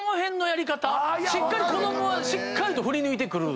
しっかり子供はしっかりと振り抜いてくる。